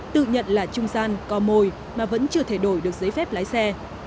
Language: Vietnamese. tự nhận là trung gian co mồi mà vẫn chưa thể đổi được giấy phép lái xe